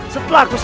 setelah aku sentuh